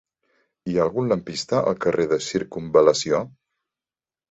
Hi ha algun lampista al carrer de Circumval·lació?